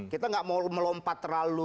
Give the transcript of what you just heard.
kita nggak mau melompat terlalu